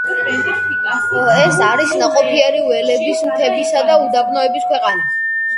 ეს არის ნაყოფიერი ველების, მთებისა და უდაბნოების ქვეყანა.